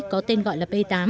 có tên gọi là p tám